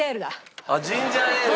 あっジンジャーエール？